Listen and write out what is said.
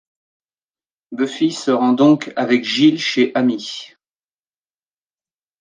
Buffy se rend donc avec Giles chez Amy.